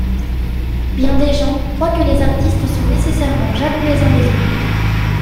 Bien des gens croient que les artistes sont nécessairement jaloux les uns des autres.